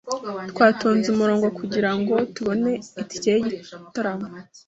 Twatonze umurongo kugirango tubone itike yigitaramo.